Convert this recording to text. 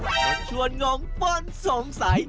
ชักชวนงงป้นสงสัย